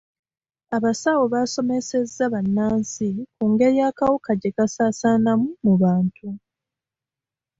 Abasawo basomesezza bannansi ku ngeri akawuka gye kasaasaanamu mu bantu.